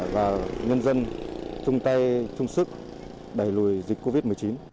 và nhân dân chung tay chung sức đẩy lùi dịch covid một mươi chín